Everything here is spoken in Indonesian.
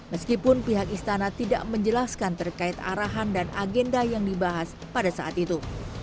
meskipun pihak istana tidak menjelaskan terkait arahan dan agenda yang dibahas pada saat itu